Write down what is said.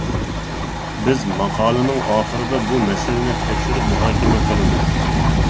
بىز ماقالىنىڭ ئاخىرىدا بۇ مەسىلىنى تەكشۈرۈپ مۇھاكىمە قىلىمىز.